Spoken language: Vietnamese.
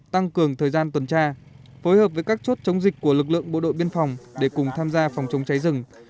tăng cường thời gian tuần tra phối hợp với các chốt chống dịch của lực lượng bộ đội biên phòng để cùng tham gia phòng chống cháy rừng